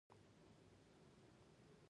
ایا دین ماهیتاً له سیاست تړاو لري که نه